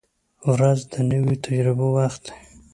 • ورځ د نویو تجربو وخت دی.